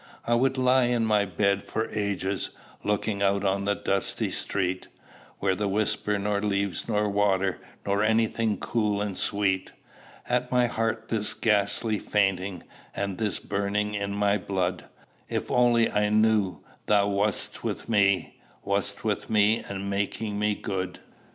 "I would lie on my bed for ages, Looking out on the dusty street, Where whisper nor leaves nor waters, Nor any thing cool and sweet; At my heart this ghastly fainting, And this burning in my blood, If only I knew thou wast with me, Wast with me and making me good."